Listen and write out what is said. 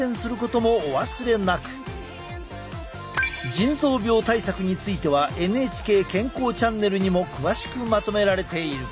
腎臓病対策については「ＮＨＫ健康チャンネル」にも詳しくまとめられている。